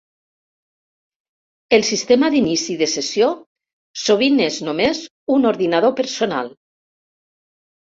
El sistema d'inici de sessió sovint és només un ordinador personal.